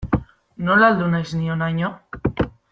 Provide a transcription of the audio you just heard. Nola heldu naiz ni honaino.